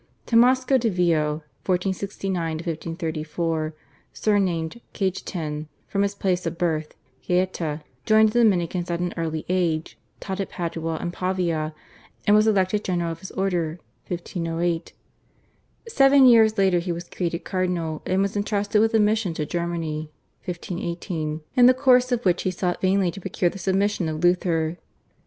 /Tommaso de Vio/ (1469 1534), surnamed /Cajetan/ from his place of birth, /Gaeta/, joined the Dominicans at an early age, taught at Padua and Pavia, and was elected general of his order (1508). Seven years later he was created cardinal and was entrusted with a mission to Germany (1518), in the course of which he sought vainly to procure the submission of Luther.